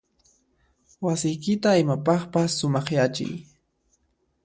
Wasiykita imapaqpas sumaqyachiy.